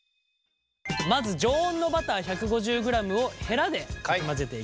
まず常温のバター１５０ｇをヘラでかき混ぜていきます。